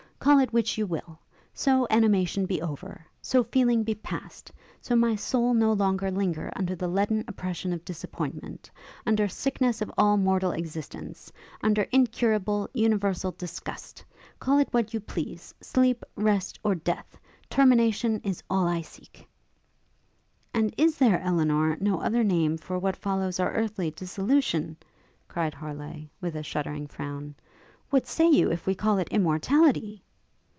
call it which you will! so animation be over, so feeling be past, so my soul no longer linger under the leaden oppression of disappointment; under sickness of all mortal existence; under incurable, universal disgust: call it what you please, sleep, rest, or death; termination is all I seek.' 'And is there, Elinor, no other name for what follows our earthly dissolution?' cried Harleigh, with a shuddering frown. 'What say you if we call it immortality?'